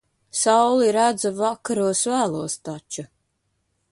Sauli redzu vakaros vēlos taču.